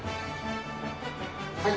はい。